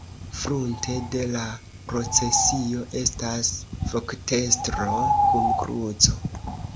Frunte de la procesio estas voktestro kun kruco.